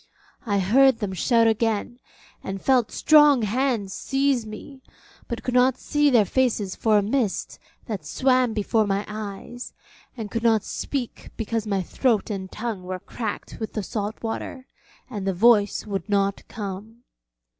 I heard them shout again, and felt strong hands seize me, but could not see their faces for a mist that swam before my eyes, and could not speak because my throat and tongue were cracked with the salt water, and the voice would not come.